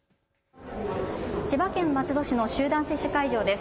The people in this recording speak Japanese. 千葉県松戸市の集団接種会場です。